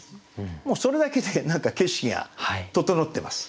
もうそれだけで何か景色が整ってます。